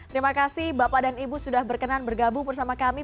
terima kasih bapak dan ibu sudah berkenan bergabung bersama kami